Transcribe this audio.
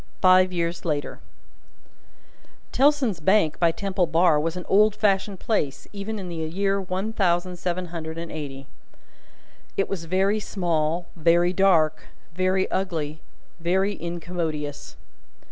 Five Years Later Tellson's Bank by Temple Bar was an old fashioned place, even in the year one thousand seven hundred and eighty. It was very small, very dark, very ugly, very incommodious.